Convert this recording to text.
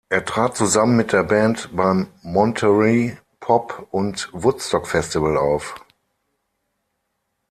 Er trat zusammen mit der Band beim Monterey Pop- und Woodstock-Festival auf.